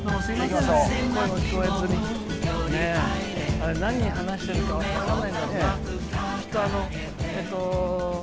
あれ、何を話してるか分からないんだろうね。